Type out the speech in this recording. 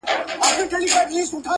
رنگ په رنگ خوږې میوې او خوراکونه٫